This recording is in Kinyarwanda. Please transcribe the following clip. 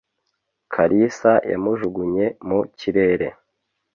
Kalisa yamujugunye mu kirere.